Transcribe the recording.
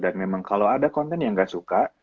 dan memang kalo ada konten yang gak suka